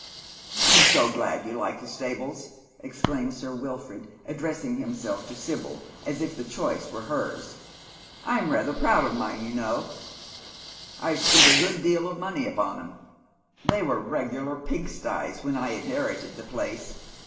_" I'm so glad you like stables," exclaims Sir Wilford, addressing ftimpelf to Sibyl, as rf the choice were hers. " I'm rather proud 140 Dead Men's Shoes, of mine, you know. I've spent a good deal of money upon 'em. They were regular pigsties when I inherited the place.